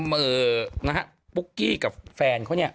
มือนะฮะปุ๊กกี้กับแฟนเขาเนี่ย